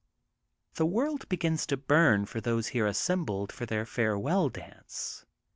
The world begins to bum for those here assembled for their farewell dance.